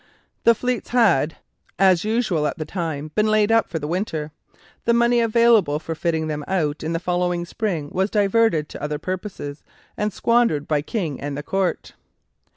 The fleets had, as usual at the time, been laid up for the winter. The money available for fitting them out in the following spring was diverted to other purposes and squandered by the King and the Court.